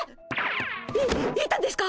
い行ったんですか！？